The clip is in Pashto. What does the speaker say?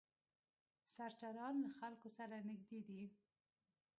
سرچران له خلکو سره نږدې دي.